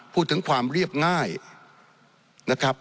พูดถึงความเรียบง่ายนะครับ